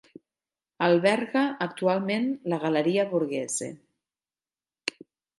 Alberga actualment la Galeria Borghese.